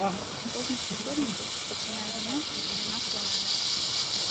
Кожны з супернікаў пачынае гульню з дзвюма сланамі.